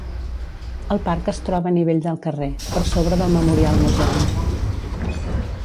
El parc es troba a nivell del carrer, per sobre del Memorial Museum.